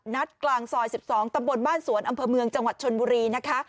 กลางซอย๑๒ตำบลบ้านสวนอำเภอเมืองจังหวัดชนบุรีนะคะ